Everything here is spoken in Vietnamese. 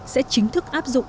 sẽ chính thức áp dụng